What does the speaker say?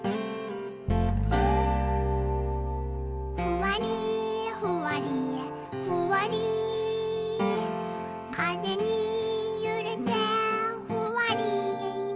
「ふわりふわりふわりかぜにゆれてふわり」